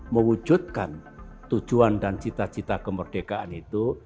mewujudkan tujuan dan cita cita kemerdekaan itu